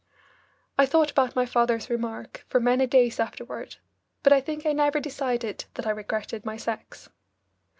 I thought about my father's remark for many days afterward, but I think I never decided that I regretted my sex.